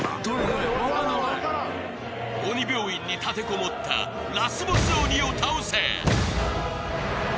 ・分からん分からん鬼病院に立てこもったラスボス鬼を倒せ！